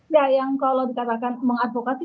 ya yang kalau dikatakan mengadvokasi